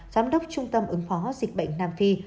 giám đốc trung tâm ứng phó dịch bệnh nam phi